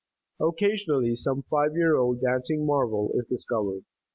Occasionally some five year old dancing marvel is discovered.